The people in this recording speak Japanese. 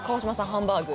ハンバーグ？